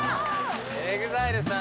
ＥＸＩＬＥさん